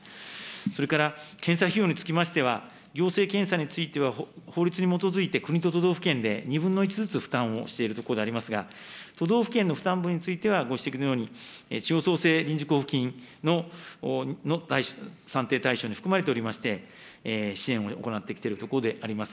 それから検査費用につきましては、行政検査については法律に基づいて国と都道府県で２分の１ずつ負担をしているところでありますが、都道府県の負担分については、ご指摘のように、地方創生臨時交付金の算定対象に含まれておりまして、支援を行ってきているところであります。